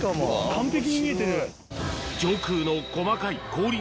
完璧に見えてる。